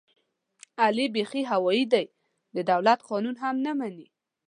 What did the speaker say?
علي بیخي هوایي دی، د دولت قانون هم نه مني.